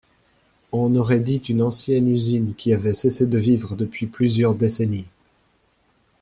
On aurait dit une ancienne usine qui avait cessé de vivre depuis plusieurs décennies.